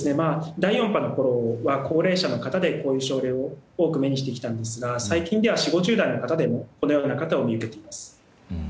第４波のころは高齢者の方にこういう症例を多く目にしてきたのですが最近では４０５０代の方でもそのような方を見受けています。